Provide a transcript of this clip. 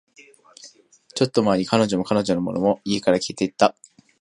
ちょっと前に、彼女も、彼女のものも、家から消えていった